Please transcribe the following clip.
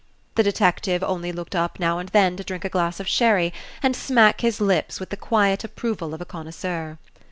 The detective only looked up now and then to drink a glass of sherry, and smack his lips with the quiet approval of a connoisseur.